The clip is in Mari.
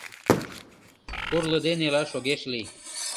Пурлыде нелаш огеш лий.